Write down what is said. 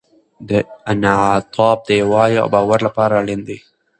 دا انعطاف د یووالي او باور لپاره اړین دی.